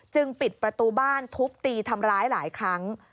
ปิดประตูบ้านทุบตีทำร้ายหลายครั้ง